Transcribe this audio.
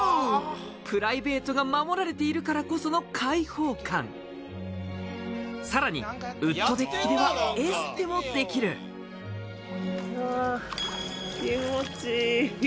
プライベートが守られているからこその開放感さらにウッドデッキではエステもできるうわ気持ちいい